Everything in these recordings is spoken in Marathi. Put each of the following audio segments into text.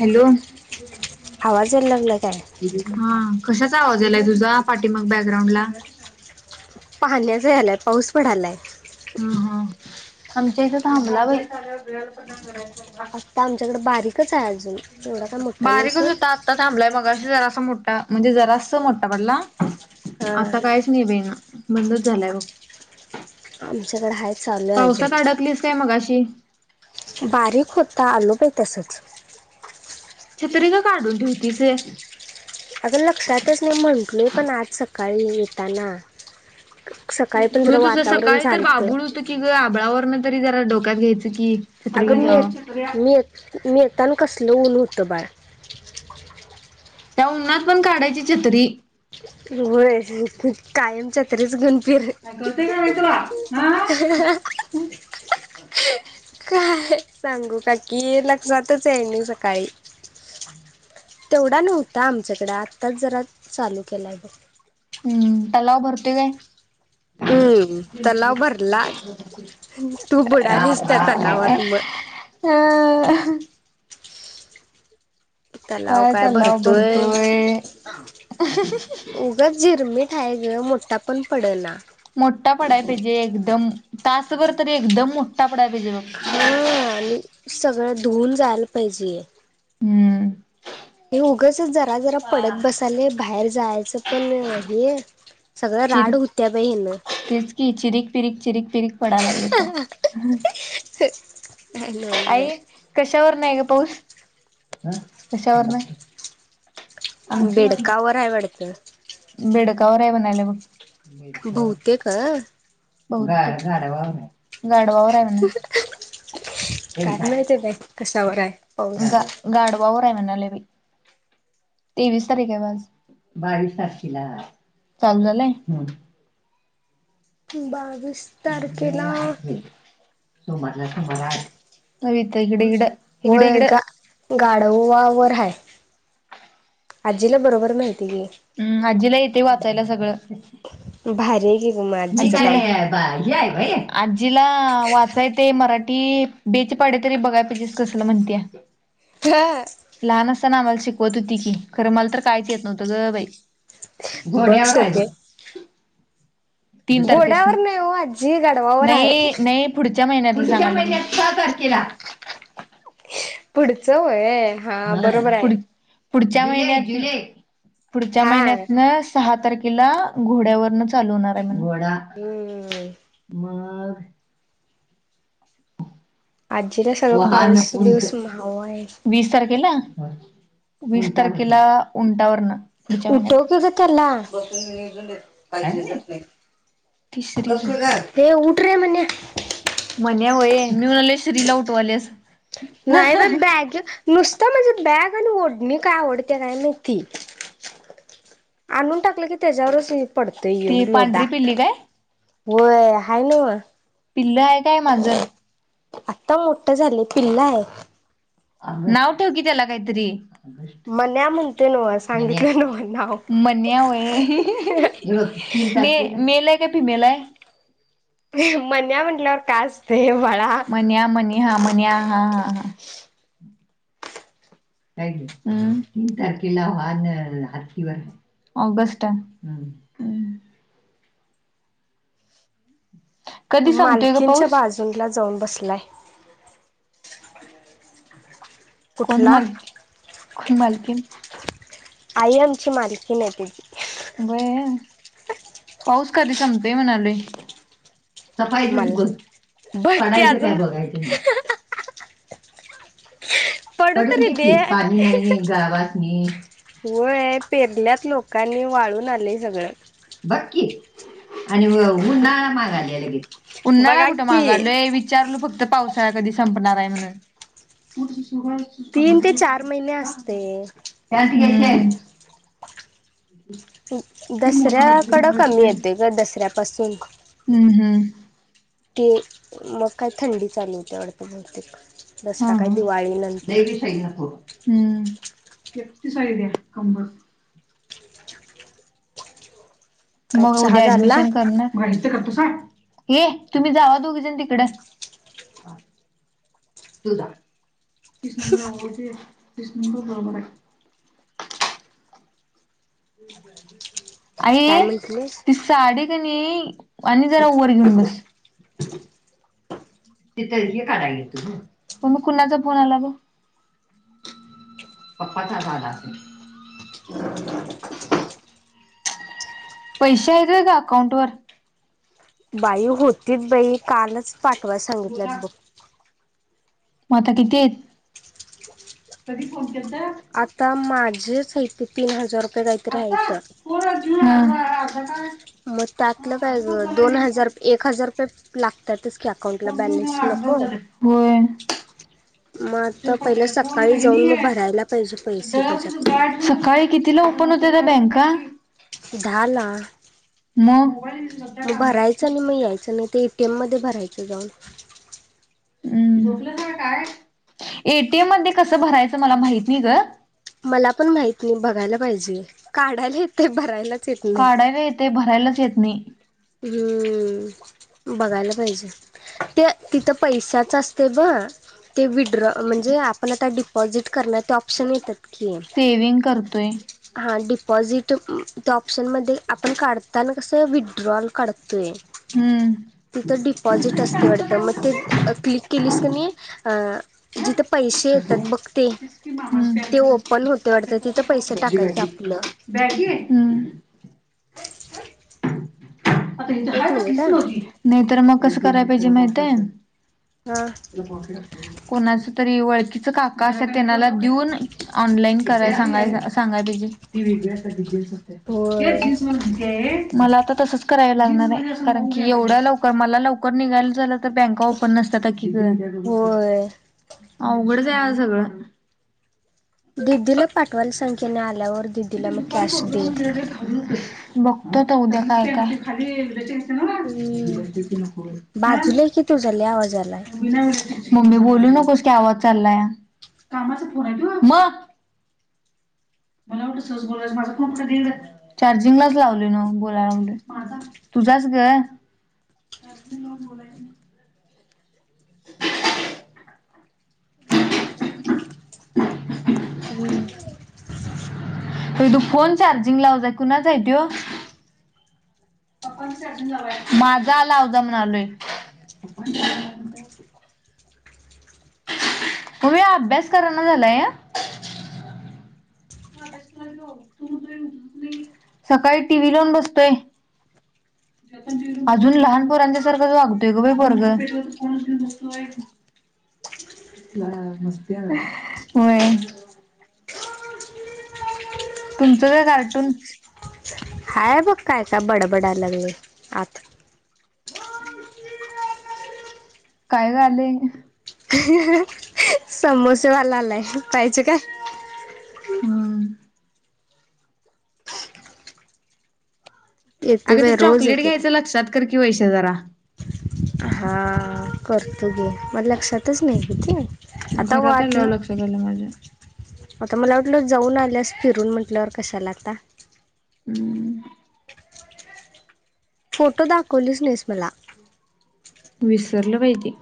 हॅलो आवाज यायला लागला काय? हा, कशाचा आवाज यालय, तुझा पाठीमाग बॅकग्राउंड ला, पाण्याचा यालाय, पाऊस पडालाय. ह, हा, आमच्या इथं थांबला बाई, आत्ता आमच्याकडे, बारीकच आहे. अजून एवढा काय मोठा नाही सोड, आता थांबलाय, मगाशी जरास मोठा, म्हणजे जरास मोठा पडला हां आता काहीच नाही बाई, बंद, झालाय बग. आमच्याकडे हाय, पावसात अडकलीस, काय मघाशी? बारीक होता, आलोबाई तसच. छत्री का, काढून ठेवतीस ह, अगं लक्षातच नाही, म्हंटलय पण आज सकाळी येताना. सकाळी पण, जरा वातावरण झालंत. कि, ग आबळावरन तरी जरा, डोक्यात घ्यायचं की. छत्री अगं, घेऊन जावा मी- मी मीयेताना, कसलं ऊन होतं बाळ. त्या, उन्हनात पण काढायची, छत्री. होय, कायम छत्रीच घेउन फिर, [inaudible] [inaudible] काय सांगू काकी, लक्षातचयाय नाही सकाळी, तेवढा नव्हता आमच्याकडे, आत्ताच जरा चालू केलाय बघ. हम्म, तलाव भरतोय काय? हम्म तलाव भरला तू, बुडालीस त्या तलावात म, ह, तलाव काय भरतोय, ग, झिरमीटहाय ग, मोठा पण पड ना. मोठा पडायला पाहिजे, एकदम तासभर तरी एकदम मोठा, पडाय पाहिजे बघ. ह, अनी सगळं, धुऊन जायला पाहिजे. हम्म, हे, उगंच जरा, जरा पडत बसालय बाहेर, जायचं पण हे. सगळ राड, चिरीक होत्या बाई हेन, तेच की, चिरिक, पिरिक, चिरिक, पिरिक, पडालागली त, काय नव्हच बाई. आई कशावर नाहीग, पाऊस कशावरन हाय, बेडका वर आहे वाटत, बेडकावर आहे, म्हणल्या बग, बहुतेक अ. ग -ग गाढवावर हाय वाटत. काय माहिती बाई, कशावर हाय. ग गाढवा वर आहे, म्हणाले बाई, तेवीस तारीख आहे बग आज, बावीस तारखेला चालू झालंय. बावीस, तारखेला, बग, इथ इड, इडं इकड, इकड गाडववा वर हय आजीला बरोबर माहिती गे हम् आजीला येतय वाचायला सगळं भारी हाय गी आजीला वाचायचं ते मराठी बेच पाडे तरी बघाय पाहिजेस कसलं म्हणतीय ह लहान असताना आम्हाला शिकवत होती की खरं मला तर काहीच य नव्हंत ग बाई बघ घोड्यावर आहेच सध्या तीन तारखेसने घोड्यावर नाही हो आजी गाढवावर आहे नइ नइ पुढच्या महिन्यात सा तारखेला पुढचं वय ह पुढ पुढच्या महिन्यात पुढच्या हा महिन्यातन सहा तारखेला घोड्यावरन चालू होणार आहे म्हण घोडा हम्म मग आजीला सग वाहन उट वीस तारखेला वीस तारखेला उंटावर ना उठाव की ग त्याला काय पाहिे म्हणे? ती श्री झोप ते उठरे म्हन्या म्हण्या होय मी म्हणालोय श्रीला उठवालेस नाही ए बॅग नुसतं माझी बॅग आणि ओढणी काय आवडते काय नाही ती आणून टाकलं की त्याच्यावरच पडतं येऊन ती लोडा पांढरी पिल्ली काय होय हान पिल्लं आहे काय मांजर आता मोठं झालंय पिल्ल हाय नाव ठेव की त्याला काहीतरी मन्या म्हणतय नव मन्या. सांगितलं न नाव मे वय ते मेल अहे की फीमेल आहे म्हन्या म्हंटल्यावर काय असतं बाळा म्हण्या म्हणे हा म्हणे्या हा हां हां [inaudible] का ह तीन तारकला हानन हरतीिवर ऑगस्ट कधी संपतोय ग मालकींच्या पाऊस बाजू अजला जाऊन बसलाय कोण कुठला मालकी कोण मालकी आई आमची मालकी नाही ती बय पाऊस कधी संपतोय म्हणाले सफायचच बघ मला बघ की पडायच काय अजून बघायच पडून पडोतरी दे की पाणी नाही गावासनी व पेरल्यात लोकांनी वाळून आलेय सगळं बक्की आणि उन्हाळा मागाला लगे उन्हाळा बघा कुठं की मागालोय वि. विचारल फक्त पावसाळा कधी संपणार आहे म्हणून. तीन ते चार महिने असते. त्यास गशे दसऱ्याकडं कमी येतय ग दसऱ्यापासून हम्म हम्म ते मग काय थंडी चालू होती वाडत बहुतेक हा दसरा काय हा. लय दिवाळीनंतर बी शाई नको. हम्म एकटी साईड ये अंब [unintelligible] काय मग चहा उद्या झाला ऍडमिशन करणार मं इथं करतोस व्हय हे तुम्ही जावा दोघी जणी तिकड दुधा तीस नंबर आव ते तीस नंबर बरोबर हाय. आणि काय म्हंटलीस तीस साडी क नी आणि जरा वर घेऊन बस तिथ हे काढाय गेलतो हो [unintelligible] कुणाचा फोन आला बघ? पप्पाचाच आला असल [inaudible] पैसे हायेत व्हय ग अकाउंट वर बाई होतीत बाई कालच पाठवाय सांगितल्यात बघ म आता किती येत कधी फोन केलता? आता माझेचं हाईत तीन हजार रुपये कायतर हायत पोर घेऊ आता काय? मग त्यातलं काय ग दोन हजार एक हजार रुपय लागतातच की अकाउंट ला बॅलेन्स नको होय. म आता पहिलं सकाळी जाऊन म भरायला पाहिजे पैसे त्याज्यात सकाळी कितीला ओपन होते ग बँका? दहा ला म मोबाईल सध्या मग कामाचं भरायचं आणि म यायचं नाय त ए टी एम मध्ये भरायचं जाऊन. हम्म ए टी एम मध्ये कस भरायचं मला माहत नाही ग मला पण माहत नाय बघायला पाहिजे काढायला येतय भरायला काढायला येतय भरायलाच येत नाही. हम्म बघायला पाहिजे ते तिथं पैशच असतय ब ते वि ड्रॉ म्हणजे आपण आता डिपॉझिट करणार ते ऑप्शन येतात की सेविंग करतोय. हा डिपॉझिट त्या ऑप्शनमध्ये आपण काढताना कसं विड्रॉल काढतोय. हम्म. तिथं डिपॉझिट असतय वाडतं मग ते क्लिक केलीस क नी अ जिथं पैसे येतात बघ ते ते ओपन होते वाडत तिथं पैसे टाकायचं आपलं बॅगी ये हम्म एक मिनिट हा नाय तर म कसं करायला पाहिजे माहित हाय हा त्याला पोकीट असते कोणाच तरी ओळखीच काका असतात त्यांनाला देऊन ऑनलाईन कराय सगाय सांगाय पाहिजे. ती वेगळ्या असता जीनस असत्या हे होय जीनस [unintelligible] मला आता तसंच कराय लागणार ये कारण की एवढ्या लवकर मला लवकर निघायला झालं तर बँका ओपन नसत्याता की होय अवघड जाया सगळं दिदीला पाठवाला सांग की नी आल्यावर दिदीला मग कॅश दे बघतो आता उद्या काय काय हम्म बाजूला की तुझा लय आवाज आलाय वि नक मम्मी बोलू नकोस की आवाज चालला या कामा मग ला चार्जिंगलाच लावले ना बोलाय लागल. तुझ्याच ग बोलाला हम्म त तू फोन चार्जिंग लाव जाय कुणाच आहे तो. माझा आलावजा म्हणालोय. तुम्ही अभ्यास कराना झाला आहे सकाळी टीव्ही लावून बसतोय. ह अजून लहानपरांच्या सारखाच वागतोय ग बा पर्ग [inaudible] ह मस्त तुमचं काय कार्टून हाय बघ काय का बडबडायला लागले आत काय झालेय. ह. समोसेवाला आलाय पाहिजे काय? हम्म येते अगं ते बाई रोज चॉकलेट येते ते घ्यायचं लक्षात कर की वैसे जरा. हा करतो घे मग लक्षातच नाहीतीत आता घरात वाटली आल्यावर लक्षात आलं माझ्या. आता मला वाटलं जाऊन आल्यास फिरून म्हटल्यावर कशाला आता. हम्म. फोटो दाखवलीच नाहीस मला विसरलं पाहिजे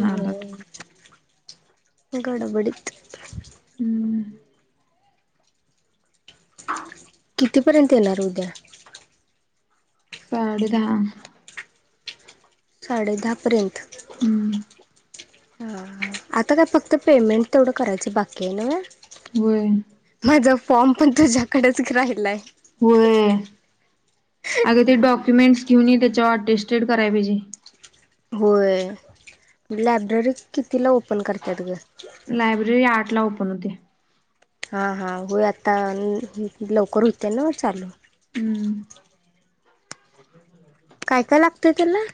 ना द होय गडबडीत हम्म कितीपर्यंत येणार उद्या? पाड का? साडे दहापर्यंत. हम्म. ह आता काय फक्त पेमेंट तेवढं करायची बाकी आहे ना. व माझा फॉर्म पण तुझ्याकडेच राहिलाय. होय अगे ते डॉक्युमेंट्स घेऊन ये त्याच्यावर टेस्टेड कराय पाहिजे. होय लायब्ररी कितीला ओपन करतात ग. लायब्ररी आठ ला ओपन होते. हां हां होय आता लवकर होते ना चालू. हम्म काय काय लागतय त्याला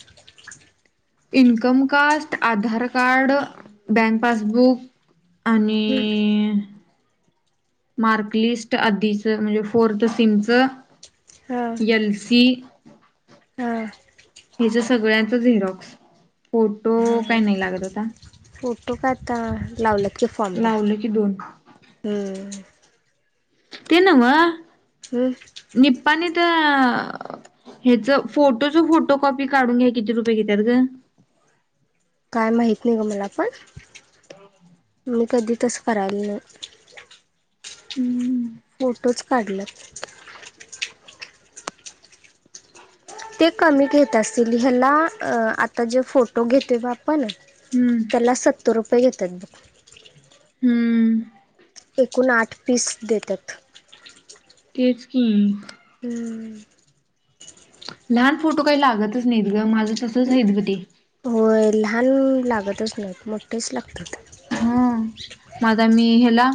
income caste Aadhaar card bank passbook. आणि. मार्कलिस्ट आधीचं म्हणजे फोर्थ सिमच हा एल सी हा. हिचं सगळ्यांच झेरॉक्स फोटो काय नाही लागत होता. फोटो काय आता लावल्यात कि फॉर्मला लावलं की दोन हम्म ते नव्ह हम निपाणी त ह्याच फोटोचं फोटो कॉपी काढून घ्याया किती रुपये घेतात ग काय माहीत नाही ग मला पण मी कधी तसं करायला नाही. हम्म फोटोच काढल्यात ते कमी घेत असतील ह्यानां आता जे फोटो घेते बा हम्म त्याला सत्तर रुपये घेतात. हम्म एकूण आठ पीस देतात. तेच की हम्म लहान फोटू काय लागतच नाहीत गं माझं तसंच आहे बघ ते होय लहान लागतच नाहीत मोठेच लागतात. मग आता मी ह्याला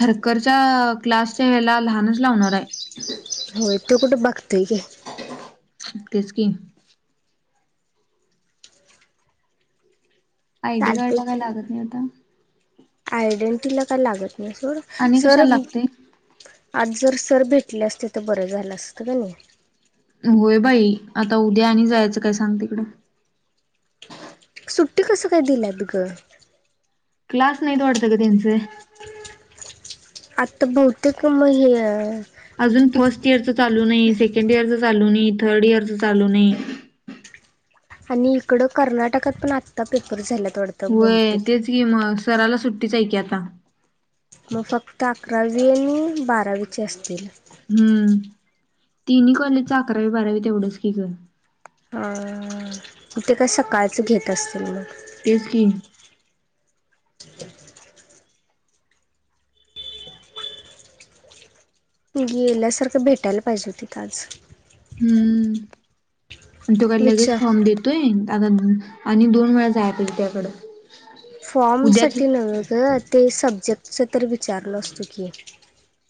थरकरच्या क्लासच्या ह्याला लहानच लावणार हाय. होय तो कुठं बघतोय? तेच कि आय डी कार्ड चालतय ला काय की लागत नाही आता आयडेंटिटीला काय लागत नाही सोड आणि सर कशाला लागते आज जर सर भेटले असते तर बरं झालं असतं का नाही. होय बाई आता उद्या आणि जायचं काय सांग तिकडं सुट्टी कसं काय दिल्यात गं क्लास नाहीत वाटतं गं त्यांचे आता बहुतेक म हे हाये अजून फर्स्ट इयरचं चालू नाही, सेकंड इयरचं चालू नाही, थर्ड इयरचं चालू नाही. आणि इकडं कर्नाटकात पण आत्ता पेपर झाल्यात अगं होय तेच की मग सराला सुट्टीच आहे की आता मग फक्त अकरावी आणि बारावीचे असतील. हम्म तिन्ही कॉलेजचं अकरावी बारावी तेवढंच की गं अ ते काय सकाळचं घेत असतील मग तेच की गेल्यासारखं भेटायला पाहिजे होती तिथं आज हम्म त्यो काय लगेच विचार फॉर्म देत होय आता आणि दोन वेळा जाया पाहिजे त्याकडं उद्याच फॉर्मसाठी नव्ह गं ते सब्जेक्टचं तर विचारलो असतो की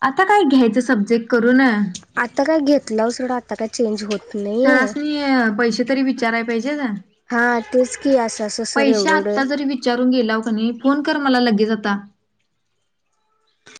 आता काय घ्यायचं सब्जेक्ट करून आता काय घेतलं [unintelligible] आता काय चेंज होत नाहीेये. सरासनी पैसे तरी विचाराय पाहिजे ना. हा तेच की असं असं सर पैसे एवढं एवढं आत्ता जरी विचारून गेलाव की नाही फोन कर मला लगेच आता